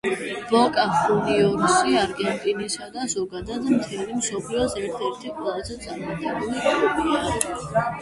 ბოკა ხუნიორსი არგენტინისა და ზოგადად მთელი მსოფლიოს ერთ–ერთი ყველაზე წარმატებული კლუბია.